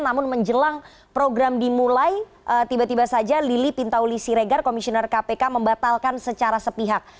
namun menjelang program dimulai tiba tiba saja lili pintauli siregar komisioner kpk membatalkan secara sepihak